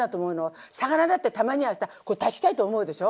魚だってたまにはさ立ちたいと思うでしょ。